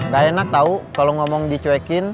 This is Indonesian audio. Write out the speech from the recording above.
gak enak tau kalau ngomong dicuekin